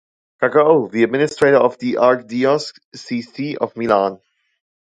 Cacao, the administrator, of the archdiocese of Milan.